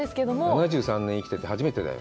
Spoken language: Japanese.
７３年生きてて、初めてだよ。